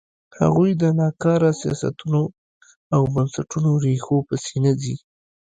هغوی د ناکاره سیاستونو او بنسټونو ریښو پسې نه ځي.